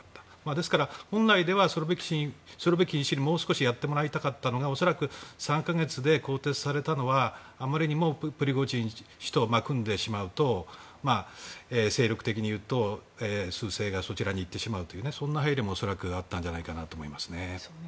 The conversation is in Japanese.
ですから本来ではスロビキン氏にもう少しやってもらいたかったのが恐らく、３か月で更迭されたのはあまりにもプリゴジン氏と組んでしまうと精力的にいうと趨勢がそちらに行ってしまうというそんな配慮も恐らくあったと思いますね。